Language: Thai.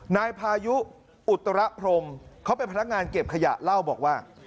นายพายุอุตรพรมเขาเป็นพนักงานเก็บขยะเล่าบอกว่า